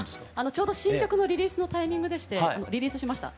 ちょうど新曲のリリースのタイミングでしてリリースしました。